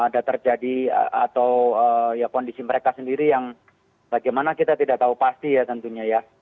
ada terjadi atau ya kondisi mereka sendiri yang bagaimana kita tidak tahu pasti ya tentunya ya